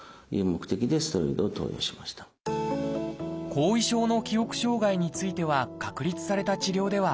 後遺症の記憶障害については確立された治療ではありません。